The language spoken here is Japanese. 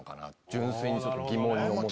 純粋にちょっと疑問に思って。